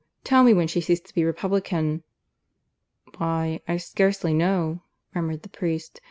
Tell me when she ceased to be republican." "Why, I scarcely know," murmured the priest.